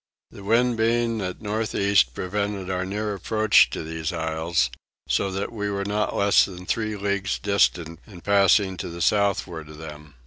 The wind being at north east prevented our near approach to these isles; so that we were not less than three leagues distant in passing to the southward of them.